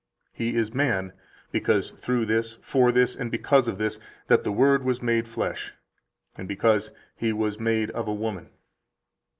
He is man, because [through this, for this, and because of this, that] the Word was made flesh, and because He was made of a woman.